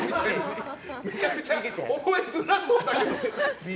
むちゃくちゃ覚えづらそうな。